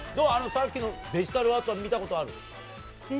さっきのデジタルアート、見たことある？